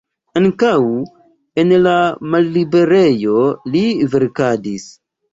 Ankaŭ en la malliberejo li verkadis.